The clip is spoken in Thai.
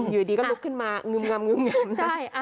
อยู่ดีก็ลุกขึ้นมางึมงำซะ